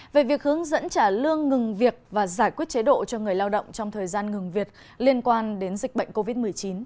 về việc hướng dẫn trả lương ngừng việc và giải quyết chế độ cho người lao động trong thời gian ngừng việc liên quan đến dịch bệnh covid một mươi chín